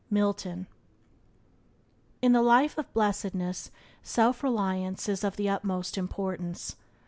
—Milton. N the life of blessedness self reliance is of the utmost importance.